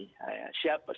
siapa tim yang menilai